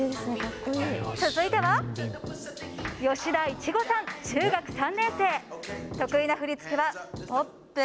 続いては吉田苺檎さん、中学３年生得意な振り付けはポップ。